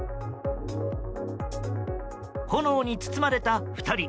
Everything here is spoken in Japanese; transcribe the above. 炎に包まれた２人。